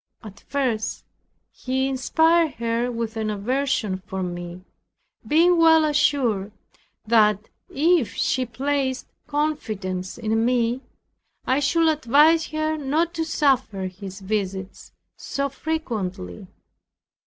At first he inspired her with an aversion for me, being well assured that if she placed confidence in me, I should advise her not to suffer his visits so frequently.